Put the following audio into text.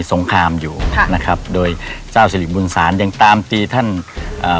สงครามอยู่ค่ะนะครับโดยเจ้าสิริบุญศาลยังตามตีท่านอ่า